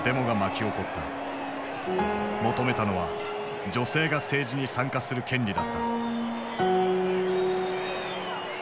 求めたのは女性が政治に参加する権利だった。